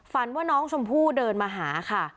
ว่าน้องชมพู่เดินมาหาค่ะ